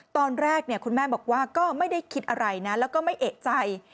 ตอนแรกคุณแม่บอกว่าก็ไม่ได้คิดอะไรนะแล้วก็ไม่เอกใจ